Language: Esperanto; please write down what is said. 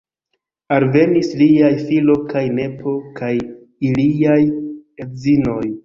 Alvenis liaj filo kaj nepo kaj iliaj edzinoj.